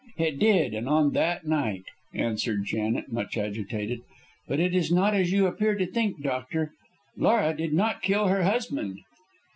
"It did, and on that night," answered Janet, much agitated. "But it is not as you appear to think, doctor. Laura did not kill her husband."